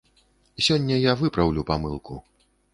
Сёння я выпраўлю памылку.